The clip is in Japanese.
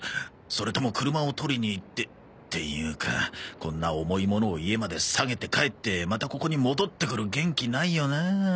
それとも車を取りに行ってっていうかこんな重いものを家までさげて帰ってまたここに戻ってくる元気ないよなあ。